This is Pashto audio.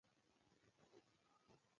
زه به ښاغلي ته یو بوتل مارګو شربت درته راوړم.